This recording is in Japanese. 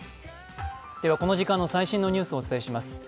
この時間の最新のニュースをお伝えします。